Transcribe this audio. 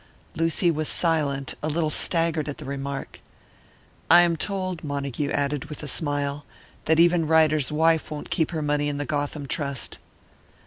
Lucy was silent, a little staggered at the remark. "I am told," Montague added, with a smile, "that even Ryder's wife won't keep her money in the Gotham Trust."